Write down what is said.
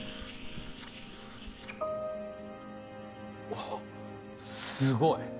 あっすごい。